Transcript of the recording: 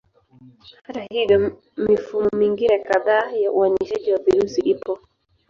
Hata hivyo, mifumo mingine kadhaa ya uainishaji wa virusi ipo.